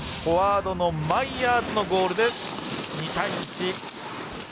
フォワードのマイヤーズのゴールで２対１。